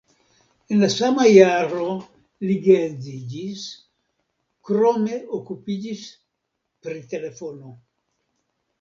En la sama jaro li geedziĝis, krome okupiĝis pri telefono.